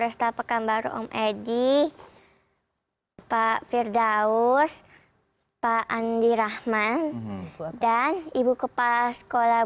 resta pekan baru om elli pak firdaus pak andy rahman dan ibu kepala sekolah